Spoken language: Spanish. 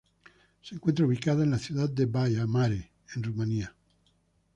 Se encuentra ubicada en la ciudad de Baia Mare en Rumania.